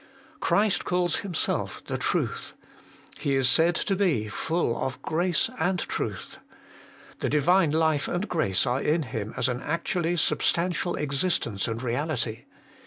Christ calls Himself the Truth: He is said to be full of grace and truth. The Divine life and grace are in Him as an actually substantial existence and reality.